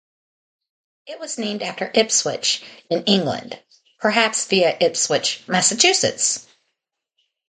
It was named after Ipswich, in England, perhaps via Ipswich, Massachusetts.